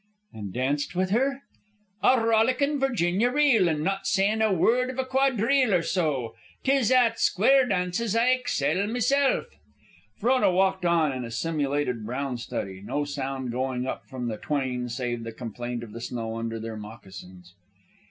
"And danced with her?" "A rollickin' Virginia reel, an' not sayin' a word iv a quadrille or so. Tis at square dances I excel meself." Frona walked on in a simulated brown study, no sound going up from the twain save the complaint of the snow from under their moccasins.